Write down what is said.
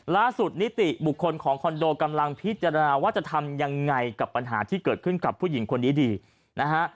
ล่าสุดนิติบุคคลของคอนโดกำลังพิจารณาว่าจะทำยังไงกับปัญหาที่เกิดขึ้นกับผู้หญิงคนนี้ดีนะฮะ